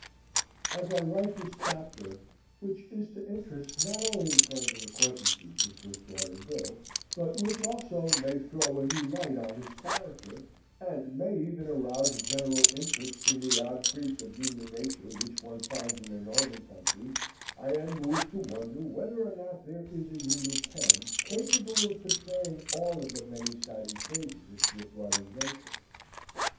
AS I write this chapter, which is to interest not only the friends and acquaintances of Swiftwater Bill, but which also may throw a new light on his character, and may even arouse a general interest in the odd freaks of human nature which one finds in the northern country, I am moved to wonder whether or not there is a human pen capable of portraying all of the many sided phases of Swiftwater's nature.